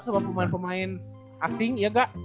sama pemain pemain asing ya kak